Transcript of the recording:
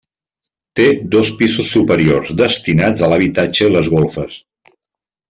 Té dos pisos superiors destinats a l'habitatge i les golfes.